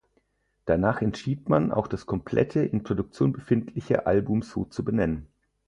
Danach entschied man, auch das komplette, in Produktion befindliche, Album so zu benennen.